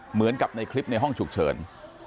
เหมือนกับในคลิปในห้องฉุกเฉิน